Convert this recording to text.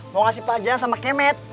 mau ngasih pajak sama kemet